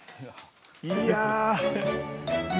いや。